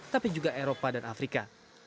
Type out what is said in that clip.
tapi juga eropa dan afrika